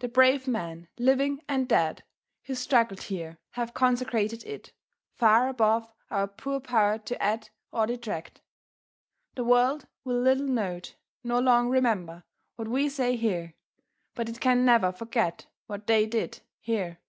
The brave men, living and dead, who struggled here have consecrated it, far above our poor power to add or detract. The world will little note, nor long remember, what we say here, but it can never forget what they did here.